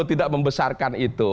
tidak membesarkan itu